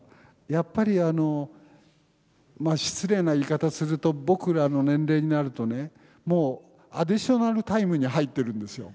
やっぱりあの失礼な言い方すると僕らの年齢になるとねもうアディショナルタイムに入ってるんですよ。